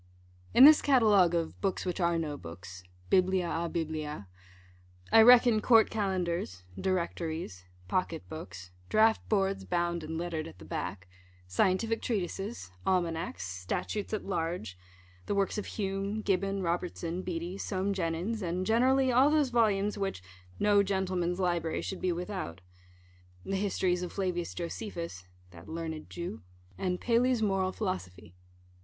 In this catalogue of books which are no books biblia a biblia I reckon Court Calendars, Directories, Pocket Books, Draught Boards bound and lettered at the back, Scientific Treatises, Almanacks, Statutes at Large; the works of Hume, Gibbon, Robertson, Beattie, Soame Jenyns, and, generally, all those volumes which "no gentleman's library should be without:" the Histories of Flavins Josephus (that learned Jew), and Paley's Moral Philosophy.